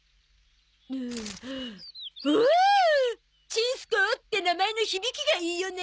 「ちんすこう」って名前の響きがいいよね。